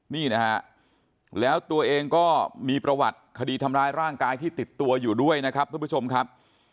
นี่นะฮะแล้วตัวเองก็มีประวัติคดีทำร้ายร่างกายที่ติดตัวอยู่ด้วยนะครับทุกผู้ชมครับ